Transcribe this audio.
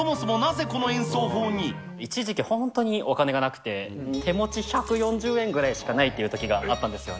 だが、一時期本当にお金がなくて、手持ち１４０円ぐらいしかないときがあったんですよ。